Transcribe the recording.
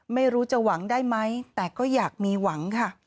ไม่รู้จะหวังได้ไหมแต่ก็อยากมีหวังค่ะ